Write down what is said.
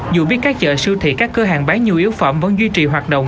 dù biết các chợ sưu thị các cơ hàng bán nhiều yếu phẩm vẫn duy trì hoạt động